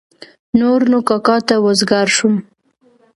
نور نو کاکا ته وزګار شوم.